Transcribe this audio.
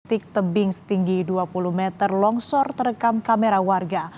titik tebing setinggi dua puluh meter longsor terekam kamera warga